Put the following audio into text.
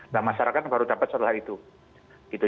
nah masyarakat baru dapat setelah itu